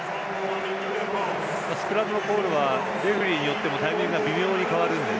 スクラムのコールはレフリーによってもタイミングが微妙に変わるので。